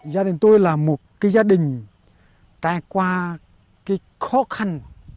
gia đình tôi là một gia đình ta qua khó khăn